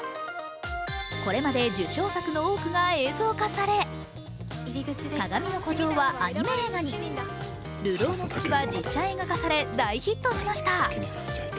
これまで受賞作の多くが映像化され、「かがみの孤城」はアニメ映画に「流浪の月」は実写映画化され大ヒットしました。